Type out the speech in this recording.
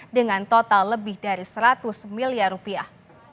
dengan total lebih dari seratus miliar rupiah